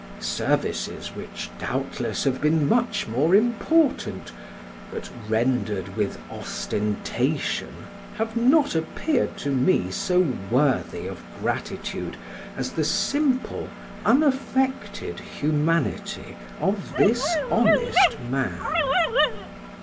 Services which doubtless have been much more important, but rendered with ostentation, have not appeared to me so worthy of gratitude as the simple unaffected humanity of this honest man.